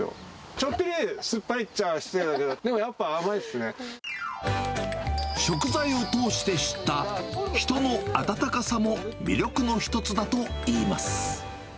ちょっぴり酸っぱいっていっちゃ失礼ですけれども、でもやっぱり食材を通して知った人の温かさも魅力の一つだといいます。